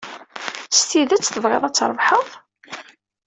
S tidet tebɣiḍ ad trebḥeḍ?